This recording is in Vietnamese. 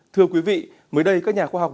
thưa quý vị mới đây các nhà khoa học